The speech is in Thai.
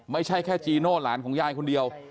ไม่ใช่แค่จีโน่หลานของยายคนเดียว